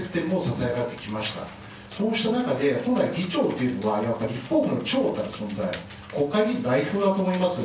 そうした中で、本来、議長というのは、立法府の長である存在、国会議員の代表であると思います。